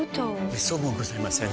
めっそうもございません。